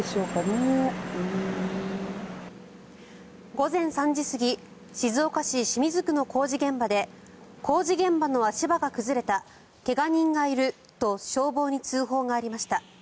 午前３時過ぎ静岡市清水区の工事現場で工事現場の足場が崩れた怪我人がいると消防に通報がありました。